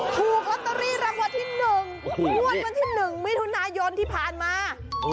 ผูกไลต์รางวัลที่หนึ่งรางวัลที่หนึ่งมิถุนายนที่ผ่านมา